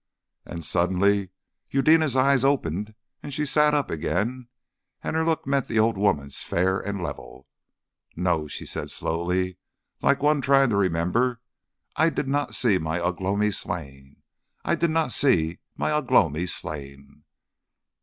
And suddenly Eudena's eyes opened and she sat up again, and her look met the old woman's fair and level. "No," she said slowly, like one trying to remember, "I did not see my Ugh lomi slain. I did not see my Ugh lomi slain."